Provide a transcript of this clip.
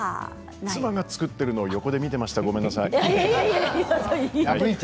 妻が作っているのを横で見ていました、ごめんなさい。